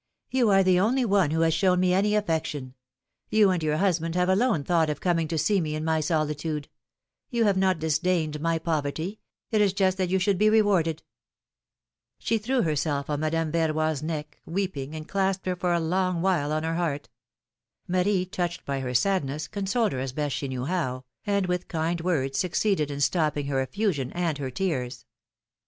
^^You are the only one who has shown me any affection ; you and your husband have alone thought of coming to see me in my PHILOM^INE^S MAEEIAGES. 87 solitude. You have not disdained my poverty; it is just that you should be re warded. She threw herself on Madame Verroy's neck, weeping, and clasped her for a long while on her heart. Marie, touched by her sadness, consoled her as best she knew how, and with kind words succeeded in stopping her effusion and her tears.